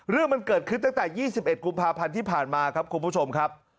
เรื่องมันเกิดขึ้นตั้งแต่๒๑กุมภาพันธ์ที่ผ่านมาครับคุณผู้ชมครับ